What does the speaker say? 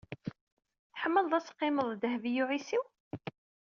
Tḥemmleḍ ad teqqimeḍ d Dehbiya u Ɛisiw?